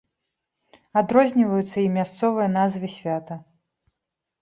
Адрозніваюцца і мясцовыя назвы свята.